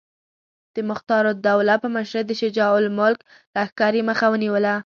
د مختارالدوله په مشرۍ د شجاع الملک لښکر یې مخه ونیوله.